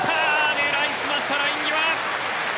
狙い澄ましたライン際。